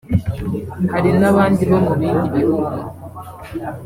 hari n’abandi bo mu bindi bihugu